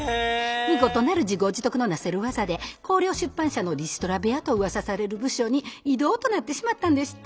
見事なる自業自得のなせるわざで光陵出版社のリストラ部屋とうわさされる部署に異動となってしまったのでした。